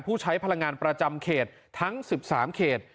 ใช้พลังงานประจำเขตทั้ง๑๓เขต